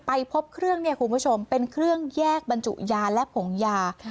ไปพบเครื่องเนี่ยคุณผู้ชมเป็นเครื่องแยกบรรจุยาและผงยา